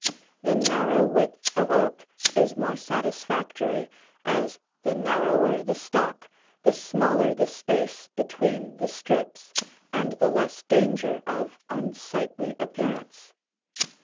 The narrow width of oak is more satisfactory, as the narrower the stock the smaller the space between the strips and the less danger of unsightly appearance.